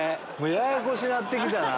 ややこしなって来たな。